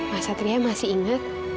mas satria masih ingat